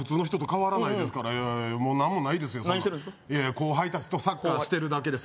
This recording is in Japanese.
後輩達とサッカーしてるだけです